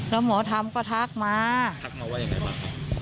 แล้วหมอธรรมก็ทักมาทักมาว่ายังไงบ้างครับ